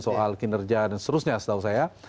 soal kinerja dan seterusnya setahu saya